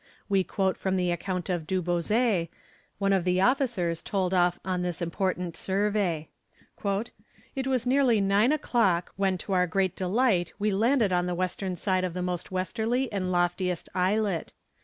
We quote from the account of Du Bouzet, one of the officers told off on this important survey. "It was nearly nine o'clock when to our great delight we landed on the western side of the most westerly and loftiest islet.